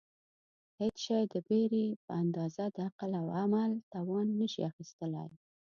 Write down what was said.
هېڅ شی د بېرې په اندازه د عقل او عمل توان نشي اخیستلای.